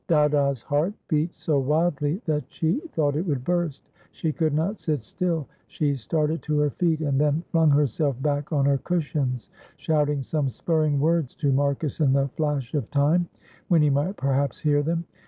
Dada's heart beat so wildly that she thought it would burst. She could not sit still; she started to her feet and then flung herself back on her cushions, shouting some spurring words to Marcus in the flash of time when he might perhaps hear them.